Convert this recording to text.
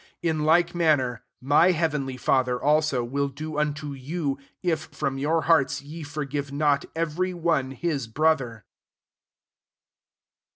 55 In like manner, my heavenly Father, also, will do unto you» if from your hearts ye forgive not every one his brother/* Ch.